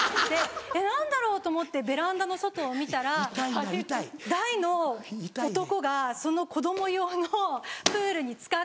何だろう？と思ってベランダの外を見たら大の男がその子供用のプールにつかって。